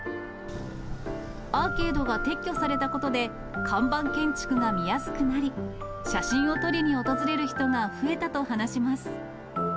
アーケードが撤去されたことで、看板建築が見やすくなり、写真を撮りに訪れる人が増えたと話します。